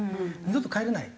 二度と帰れない。